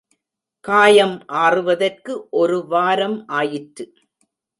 காயம் ஆறுவதற்கு ஒரு வாரம் ஆயிற்று.